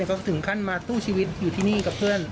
ก๊อดเล็กที่สู้ชีวิตอยู่ที่นี่กับเพื่อน